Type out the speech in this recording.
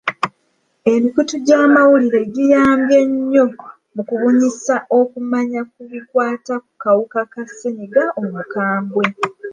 Emikutu gy'amawulire giyambye nnyo mu kubunyisa okumanya ku bikwata ku kawuka ka ssenyiga omukambwe.